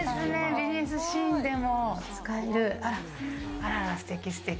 ビジネスシーンでも使える。